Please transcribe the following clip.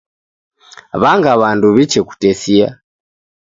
W'anga w'andu w'ichekutesia